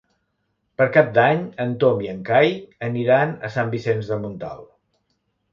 Per Cap d'Any en Tom i en Cai aniran a Sant Vicenç de Montalt.